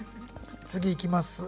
次いきます。